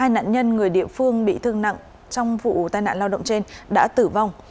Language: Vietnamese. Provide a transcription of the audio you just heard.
hai nạn nhân người địa phương bị thương nặng trong vụ tai nạn lao động trên đã tử vong